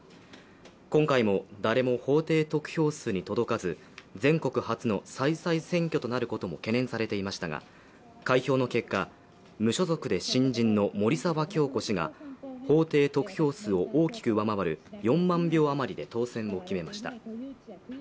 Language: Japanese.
今回も誰も法定得票数に届かず全国初の再々選挙となることも懸念されていましたが、開票の結果、無所属で新人の森沢恭子氏が法定得票数を大きく上回る４万票余りで当選を決めました。